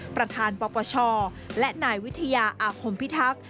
ประธานปปชและนายวิทยาอาคมพิทักษ์